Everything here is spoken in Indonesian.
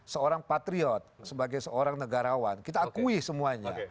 seorang patriot sebagai seorang negarawan kita akui semuanya